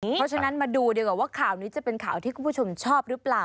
เพราะฉะนั้นมาดูดีกว่าว่าข่าวนี้จะเป็นข่าวที่คุณผู้ชมชอบหรือเปล่า